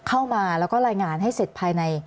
เข้ามาแล้วก็รายงานให้เสร็จภายใน